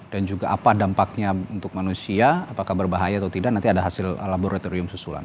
dan juga apa dampaknya untuk manusia apakah berbahaya atau tidak nanti ada hasil laboratorium susulan